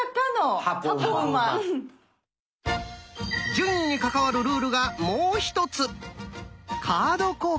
順位に関わるルールがもう一つ。